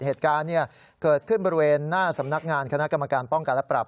เหตุการณ์เกิดขึ้นบริเวณหน้าสำนักงานคณะกรรมการป้องกันและปรับ